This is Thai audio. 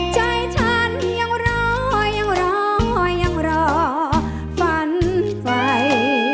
ใจฉันยังรอยังรอยังรอฝันไฟ